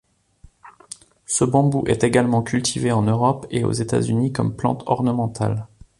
Ce bambou est également cultivé en Europe et aux États-Unis comme plante ornementale.